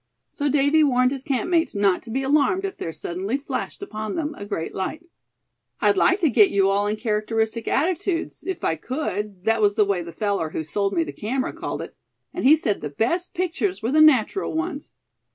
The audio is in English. So Davy warned his campmates not to be alarmed if there suddenly flashed upon them a great light. "I'd like to get you all in characteristic attitudes, if I could that was the way the feller who sold me the camera called it; and he said the best pictures were the natural ones.